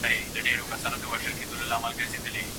په پښتو ژبه کي تاریخي سرچینې کمې دي.